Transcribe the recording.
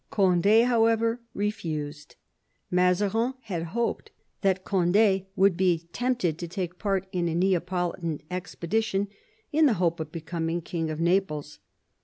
Cond^, however, refused. Mazarin had hoped that Cond^ would be tempted to take part in a Neapolitan expedition in the hope of becoming King of Naples.